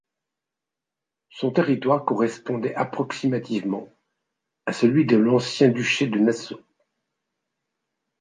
Son territoire correspondait approximativement à celui de l'ancien Duché de Nassau.